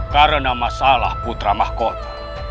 karena masalah putra mahkota